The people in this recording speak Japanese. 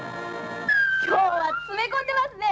今日は詰め込んでますね。